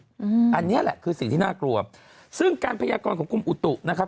อืมอันเนี้ยแหละคือสิ่งที่น่ากลัวซึ่งการพยากรของกรมอุตุนะครับ